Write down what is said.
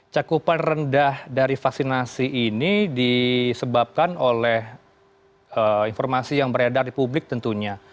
cakupan rendah dari vaksinasi ini disebabkan oleh informasi yang beredar di publik tentunya